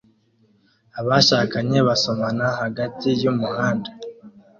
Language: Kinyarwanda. Abashakanye basomana hagati yumuhanda